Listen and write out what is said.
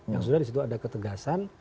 yang sudah disitu ada ketegasan